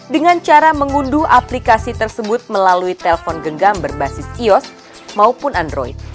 dengan cara mengunduh aplikasi tersebut melalui telpon genggam berbasis kios maupun android